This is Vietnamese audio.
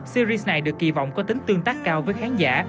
series này được kỳ vọng có tính tương tác cao với khán giả